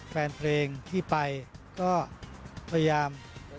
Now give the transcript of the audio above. แฟนเพลงที่ไปก็พยายาม